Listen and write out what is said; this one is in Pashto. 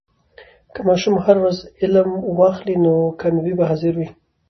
که ماشوم هر ورځ علم واخلي، نو کامیابي به حاضري ولري.